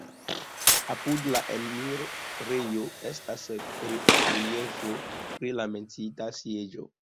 Apud la enirejo estas reliefo pri la menciita sieĝo.